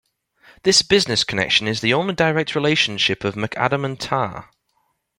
This business connection is the only direct relationship of McAdam and tar.